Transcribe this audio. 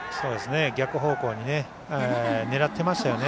逆方向に狙ってましたよね。